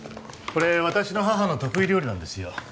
これ私の母の得意料理なんですよ